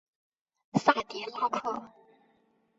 萨迪拉克。